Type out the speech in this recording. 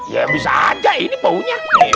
ya bisa aja ini baunya